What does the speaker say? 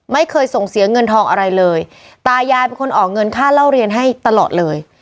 ไม่เคยส่งเสียเงินทองอะไรเลยตายายเป็นคนออกเงินค่าเล่าเรียนให้ตลอดเลย